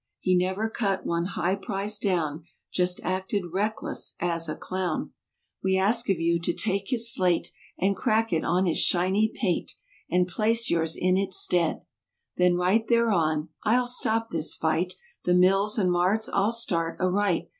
He never cut one high price down— Just acted reckless as a clown. 173 We ask of you to take his slate And crack it on his shiny pate And place yours in its stead. Then write thereon—"Fll stop this fight!" "The mills and marts I'll start aright!"